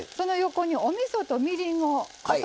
これおみそとみりんと。